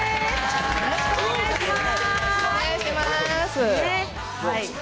よろしくお願いします。